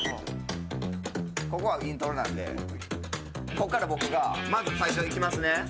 ここはイントロなんでここから僕がまず最初いきますね。